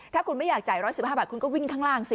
ถ้าคุณไม่อยากจ่าย๑๑๕บาทคุณก็วิ่งข้างล่างสิ